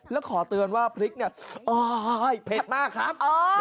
แล้วขอเตือนว่าพริกเนี่ยโอ๊ยเผ็ดมากครับ